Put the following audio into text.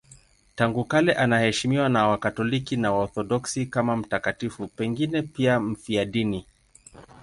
Tangu kale anaheshimiwa na Wakatoliki na Waorthodoksi kama mtakatifu, pengine pia mfiadini.